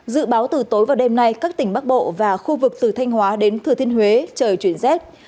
dự báo từ tối và đêm nay các tỉnh bắc bộ và khu vực từ thanh hóa đến thừa thiên huế trời chuyển rét